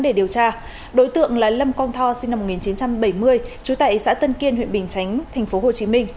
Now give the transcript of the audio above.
để điều tra đối tượng là lâm quang tho sinh năm một nghìn chín trăm bảy mươi trú tại xã tân kiên huyện bình chánh tp hcm